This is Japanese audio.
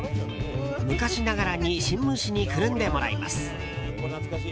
昔ながらに新聞紙にくるんでもらいます。